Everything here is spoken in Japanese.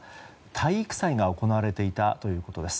体育祭が行われていたということです。